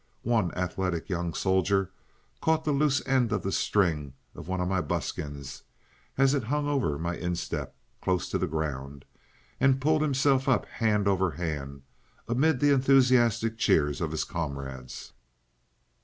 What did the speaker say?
One athletic young soldier caught the loose end of the string of one of my buskins, as it hung over my instep close to the ground and pulled himself up hand over hand, amid the enthusiastic cheers of his comrades.